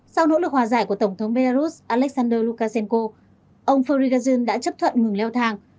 sau nỗ lực hòa giải của tổng thống belarus alexander lukashenko ông forrigazun đã chấp thuận ngừng leo thang